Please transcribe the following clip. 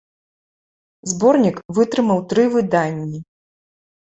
Зборнік вытрымаў тры выданні.